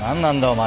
お前。